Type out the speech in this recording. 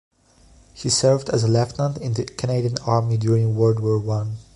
He served as a lieutenant in the Canadian Army during World War One.